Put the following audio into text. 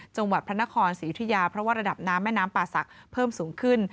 จังหวัดพระนครศรียุธิยาเพราะว่าระดับน้ำแม่น้ำป่าศักดิ์เพิ่มสูงขึ้น